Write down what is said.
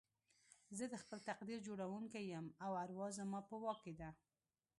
زه د خپل تقدير جوړوونکی يم او اروا زما په واک کې ده.